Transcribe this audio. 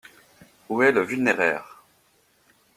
Où est le vulnéraire?